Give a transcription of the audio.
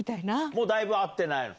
もうだいぶ会ってないの？